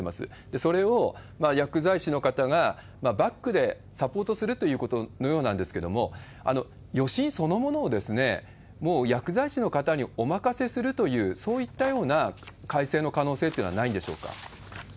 それを薬剤師の方がバックでサポートするということのようなんですけれども、予診そのものをもう薬剤師の方にお任せするという、そういったような改正の可能性というのはないんでしょうか？